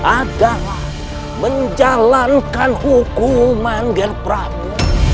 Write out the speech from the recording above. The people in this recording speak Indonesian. agar menjalankan hukuman nger prabu